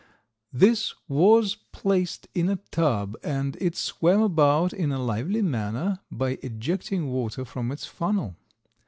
This was placed in a tub and it swam about in a lively manner by ejecting water from its funnel.